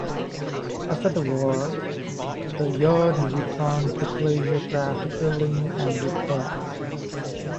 After the war the yard returned to pleasure craft building and repair.